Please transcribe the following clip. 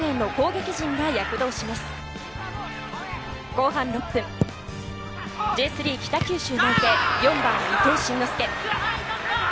後半６分、Ｊ３北九州内定、４番・伊東進之輔。